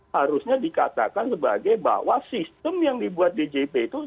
harusnya dikatakan sebagai bahwa sistem yang dibuat djp itu